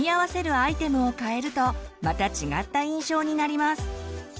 アイテムを変えるとまた違った印象になります。